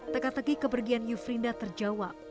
teka teki kepergian yufrinda terjawab